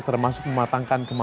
termasuk mematangkan var project team